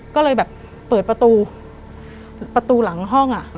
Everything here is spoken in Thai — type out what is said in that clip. ก็เลยแบบเปิดประตูประตูหลังห้องอ่ะ